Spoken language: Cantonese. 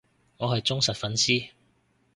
我係忠實粉絲